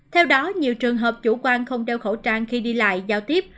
theo đó nhiều trường hợp chủ quan không đeo khẩu trang khi đi lại giao tiếp